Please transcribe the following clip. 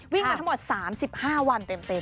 มาทั้งหมด๓๕วันเต็ม